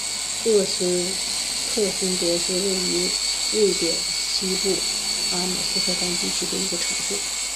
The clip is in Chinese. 厄斯特松德是位于瑞典西部耶姆特兰地区的一个城市。